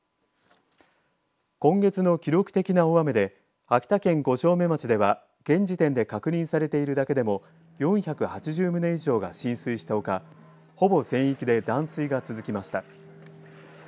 今月の記録的な大雨で秋田県五城目町では現時点で確認されているだけでも４８０棟以上が浸水したほかほぼ全域で断水が続きました。